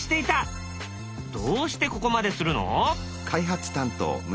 どうしてここまでするの？